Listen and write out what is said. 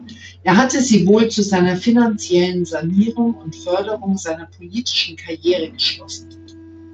Er hatte sie wohl zu seiner finanziellen Sanierung und Förderung seiner politischen Karriere geschlossen.